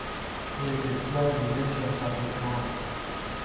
มือถือเครื่องนี้เล่นเกมกระตุกมาก